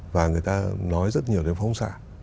và người ta nói rất nhiều về phong xạ